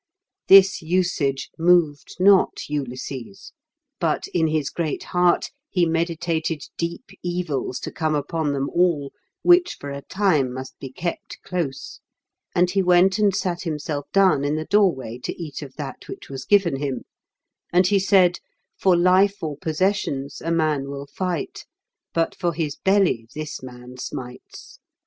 This usage moved not Ulysses; but in his great heart he meditated deep evils to come upon them all, which for a time must be kept close, and he went and sat himself down in the door way to eat of that which was given him; and he said, "For life or possessions a man will fight, but for his belly this man smites.